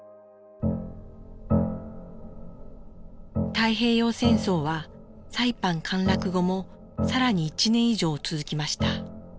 太平洋戦争はサイパン陥落後も更に１年以上続きました。